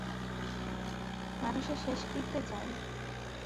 মানুষের শেষকৃত্যে যাই।